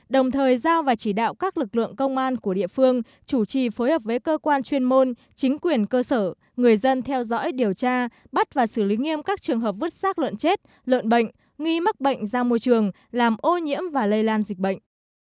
đồng thời giao và chỉ đạo các lực lượng công an của địa phương chủ trì phối hợp với cơ quan chuyên môn chính quyền cơ sở người dân theo dõi điều tra bắt và xử lý nghiêm các trường hợp vứt sát lợn chết lợn bệnh nghi mắc bệnh ra môi trường làm ô nhiễm và lây lan dịch bệnh